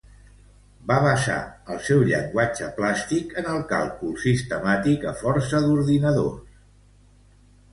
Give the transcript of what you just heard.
Va basar el seu llenguatge plàstic en el càlcul sistemàtic a força d'ordinadors.